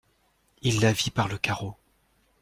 Il la vit par le carreau.